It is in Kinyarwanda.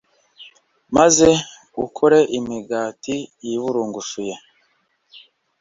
maze ukore imigati yiburungushuye